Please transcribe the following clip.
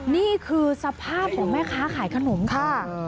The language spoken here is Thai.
นี่คือสภาพของแม่ค้าขายขนมค่ะ